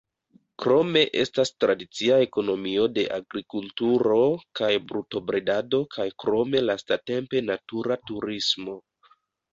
Krome estas tradicia ekonomio de agrikulturo kaj brutobredado kaj krome lastatempe natura turismo.